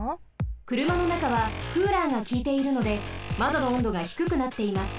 くるまのなかはクーラーがきいているのでまどの温度がひくくなっています。